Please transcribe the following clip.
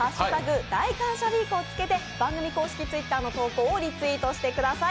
大感謝ウィークをつけて番組公式Ｔｗｉｔｔｅｒの投稿をリツイートしてください。